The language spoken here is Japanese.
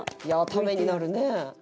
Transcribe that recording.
いやあためになるね。